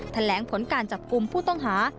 แถลงผลการจับกลุ่มผู้ต้องหา